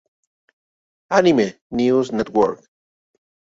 Anime News Network